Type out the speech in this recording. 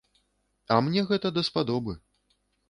А мне гэта даспадобы.